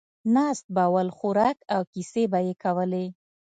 ناست به ول، خوراک او کیسې به یې کولې.